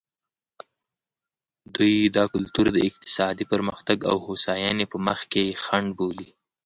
دوی دا کلتور د اقتصادي پرمختګ او هوساینې په مخ کې خنډ بولي.